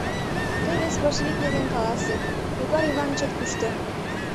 Тый вес большевик нерген каласе: Йогор Иванычет кушто?